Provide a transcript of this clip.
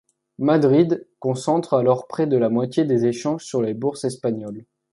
Madrid concentre alors près de la moitié des échanges sur les bourses espagnoles.